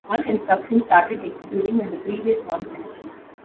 One instruction started executing when the previous one finished.